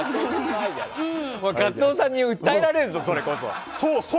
カツオさんに訴えられるぞ、それこそ。